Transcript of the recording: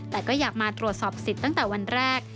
แต่ก็อยากมาตรวจสอบสิทธิ์ตั้งแต่วันแรก